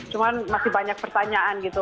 cuma masih banyak pertanyaan gitu